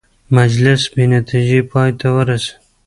مجلس بې نتیجې پای ته ورسېد.